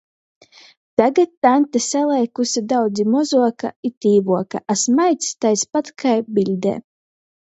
Tagad taņte saleikuse, daudzi mozuoka i tīvuoka, a smaids taids pat kai biļdē.